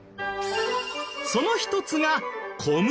その一つが